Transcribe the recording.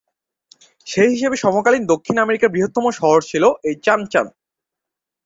সেই হিসেবে সমকালীন দক্ষিণ আমেরিকার বৃহত্তম শহর ছিল এই "চান চান"।